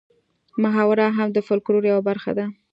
محاوره هم د فولکلور یوه برخه ده